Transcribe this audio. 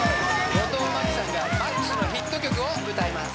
後藤真希さんがＭＡＸのヒット曲を歌います